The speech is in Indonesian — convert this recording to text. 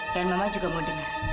dan mama juga mau dengar